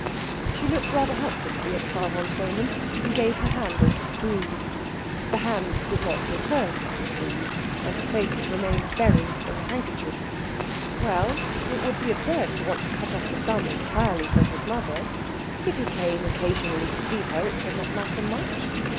She looked rather helplessly at Frau von Treumann, and gave her hand a little squeeze. The hand did not return the squeeze, and the face remained buried in the handkerchief. Well, it would be absurd to want to cut off the son entirely from his mother. If he came occasionally to see her it could not matter much.